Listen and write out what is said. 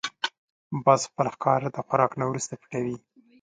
باز خپل ښکار د خوراک نه وروسته پټوي